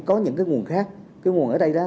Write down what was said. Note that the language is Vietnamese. có những cái nguồn khác cái nguồn ở đây đó